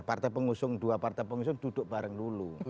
partai pengusung dua partai pengusung duduk bareng dulu